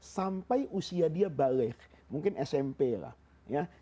sampai usia dia balik mungkin smp lah ya